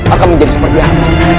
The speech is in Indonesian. akan menjadi seperti apa